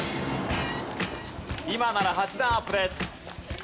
今なら８段アップです。